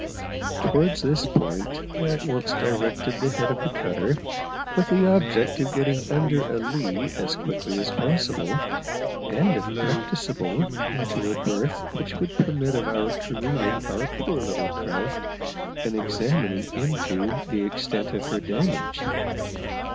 Towards this point I at once directed the head of the cutter, with the object of getting under a lee as quickly as possible, and, if practicable, into a berth which would permit of our careening our poor little craft and examining into the extent of her damage.